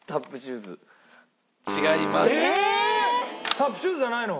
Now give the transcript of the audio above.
タップシューズじゃないの？